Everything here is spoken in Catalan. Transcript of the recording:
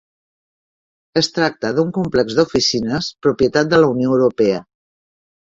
Es tracta d'un complex d'oficines propietat de la Unió Europea.